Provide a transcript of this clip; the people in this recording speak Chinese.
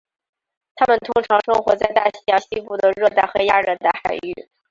它们通常生活在大西洋西部的热带和亚热带海域。